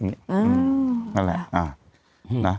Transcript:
นั่นแหละ